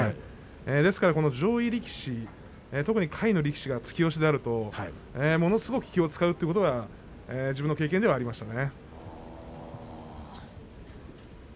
ですから上位力士特に下位の力士が突き押しであるとものすごく気を遣うということが自分の経験ではありましたね。